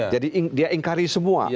jadi dia ingkari semua